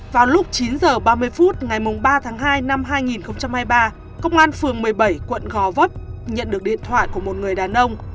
vào lúc chín h ba mươi phút ngày ba tháng hai năm hai nghìn hai mươi ba công an phường một mươi bảy quận gò vấp nhận được điện thoại của một người đàn ông